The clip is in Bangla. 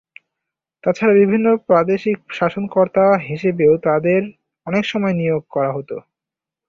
তাছাড়া বিভিন্ন প্রাদেশিক শাসনকর্তা হিসেবেও তাঁদের অনেকসময় নিয়োগ করা হত।